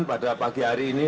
pada pagi hari ini